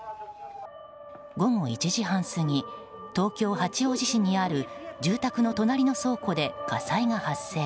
午後１時半過ぎ東京・八王子市にある住宅の隣の倉庫で火災が発生。